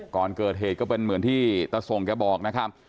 ก่อนเกิดเหตุก็เป็นเหมือนที่ตะส่งแกบอกนะครับ